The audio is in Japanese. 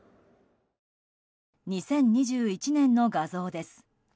２０２１年の画像です。